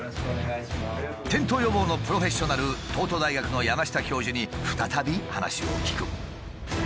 転倒予防のプロフェッショナル東都大学の山下教授に再び話を聞く。